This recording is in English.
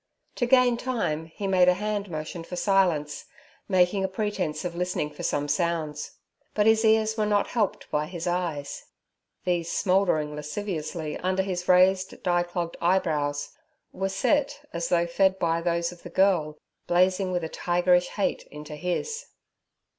To gain time he made a hand motion for silence, making a pretence of listening for some sounds; but his ears were not helped by his eyes. These smouldering lasciviously under his raised, dye clogged eyebrows, were set as though fed by those of the girl, blazing with a tigerish hate into his.